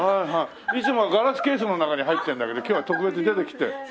いつもはガラスケースの中に入ってるんだけど今日は特別に出てきて。